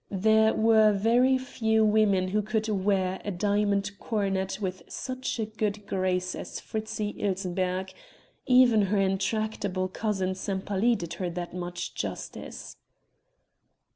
There were very few women who could wear a diamond coronet with such good grace as Fritzi Ilsenbergh even her intractable cousin Sempaly did her that much justice.